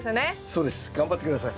そうです。頑張って下さい。